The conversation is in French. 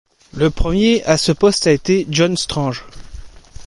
Le premier à ce poste a été John Strange.